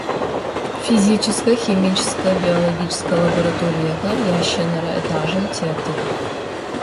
Физическэ, химическэ, биологическэ лабораториехэр ящэнэрэ этажым тетых.